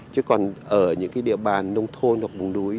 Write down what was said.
chứ còn ở những cái địa bàn nông thôn hoặc vùng núi